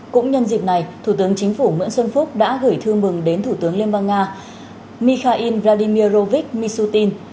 cũng nhân dịp này thủ tướng chính phủ mưỡn xuân phúc đã gửi thư mừng đến thủ tướng liên bang nga mikhail vladimirovich misutin